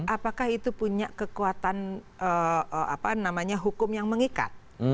apakah itu punya kekuatan hukum yang mengikat